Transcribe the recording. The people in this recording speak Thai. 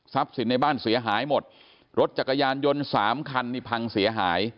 ทรัพย์สินในบ้านเสียหายหมดรถจักรยานยนต์๓คันพลังเสียหาย